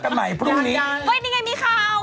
ต้องอยู่นาน๓๐ปี